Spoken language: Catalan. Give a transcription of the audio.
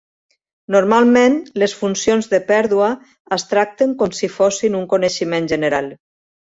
Normalment, les funcions de pèrdua es tracten com si fossin un coneixement general.